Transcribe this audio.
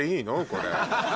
これ。